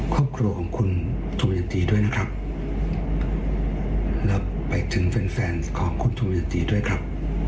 ครอบครัวของคุณโทยันตีด้วยนะครับแล้วไปถึงแฟนแฟนของคุณทูยันตีด้วยครับ